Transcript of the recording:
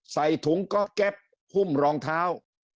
ใส่ถุงเกาะแก๊ปหุ้มรองเท้า